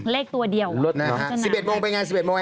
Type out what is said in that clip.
เลขตัวเดียวจะหนักกว่าจริงนะครับจริงนะครับ๑๑โมงไปไง๑๑โมงแอมจี้